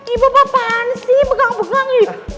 ibu apaan sih begang begang